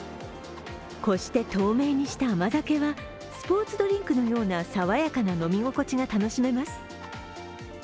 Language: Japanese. こして透明にした甘酒はスポーツドリンクのような爽やかな飲み心地が楽しめます。